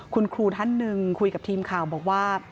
คุณครูท่านหนึ่งคุยกับทีมข่าวบอกว่า